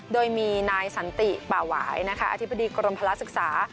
โดยมีนายสันติป่าหวายนะคะอธิบดีกรมพละศึกษา